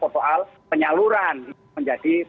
soal penyaluran menjadi